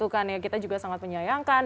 kita juga sangat menyayangkan